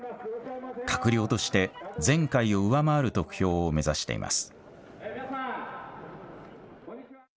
閣僚として前回を上回る得票を目指しています。